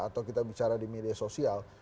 atau kita bicara di media sosial